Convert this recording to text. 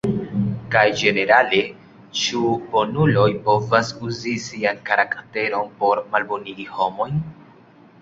Kaj ĝenerale, ĉu bonuloj povas uzi sian karakteron por malbonigi homojn?